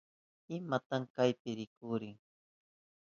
¿Imata chaypi rikurin?